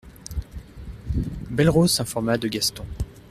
Belle-Rose s'informa de Gaston.